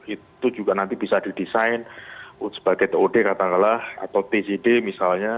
itu juga nanti bisa didesain sebagai tod katakanlah atau tcd misalnya